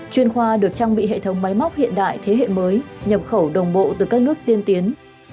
chuyên khoa được trang bị hệ thống máy móc hiện đại thế hệ mới nhập khẩu đồng bộ từ các nước tiên tiến